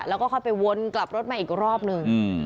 แล้วก็ค่อยไปวนกลับรถมาอีกรอบหนึ่ง